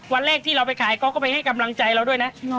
วันแรกที่เราไปขายเขาก็ไปให้กำลังใจเราด้วยนะ